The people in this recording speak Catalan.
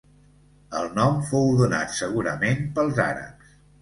El nom fou donat segurament pels àrabs.